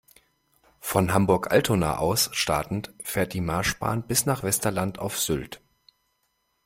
Von Hamburg-Altona aus startend fährt die Marschbahn bis nach Westerland auf Sylt.